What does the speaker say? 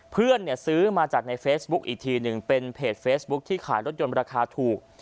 เพื่อนเนี่ยซื้อมาจากในเฟซบุ๊คอีกทีหนึ่งเป็นเพจเฟซบุ๊คที่ขายรถยนต์ราคาถูก